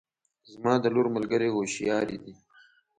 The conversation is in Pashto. زما د لور ملګرې هوښیارې دي